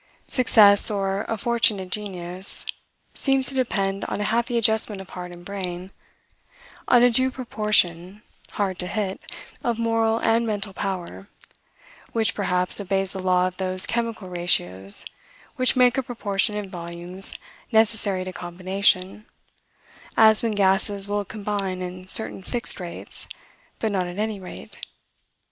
Success, or a fortunate genius, seems to depend on a happy adjustment of heart and brain; on a due proportion, hard to hit, of moral and mental power, which, perhaps, obeys the law of those chemical ratios which make a proportion in volumes necessary to combination, as when gases will combine in certain fixed rates, but not at any rate.